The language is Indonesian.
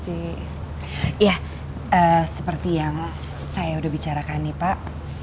ya seperti yang saya udah bicarakan nih pak